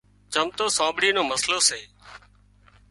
چم تو سانٻڙِي نو مسئلو سي